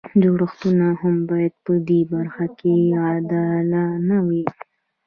جوړښتونه هم باید په دې برخه کې عادلانه وي.